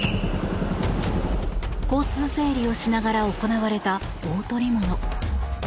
交通整理をしながら行われた大捕物。